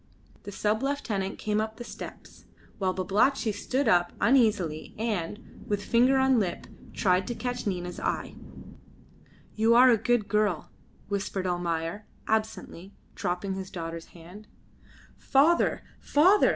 The sub lieutenant came up the steps, while Babalatchi stood up uneasily and, with finger on lip, tried to catch Nina's eye. "You are a good girl," whispered Almayer, absently, dropping his daughter's hand. "Father! father!"